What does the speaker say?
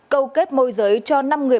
câu kết môi giới cho năm người